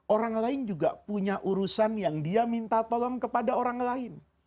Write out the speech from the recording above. orang lain juga punya urusan yang dia minta tolong kepada orang lain